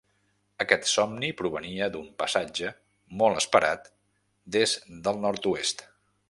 Aquest somni provenia d'un passatge, molt esperat, des del nord-oest.